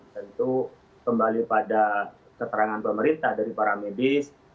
tentu kembali pada keterangan pemerintah dari para medis